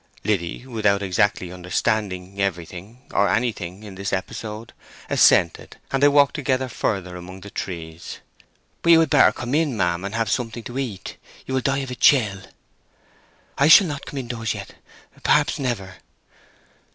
Liddy, without exactly understanding everything, or anything, in this episode, assented, and they walked together further among the trees. "But you had better come in, ma'am, and have something to eat. You will die of a chill!" "I shall not come indoors yet—perhaps never."